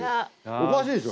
おかしいでしょ。